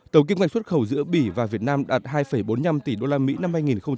tổng kinh ngạch xuất khẩu giữa bỉ và việt nam đạt hai bốn mươi năm tỷ usd năm hai nghìn một mươi sáu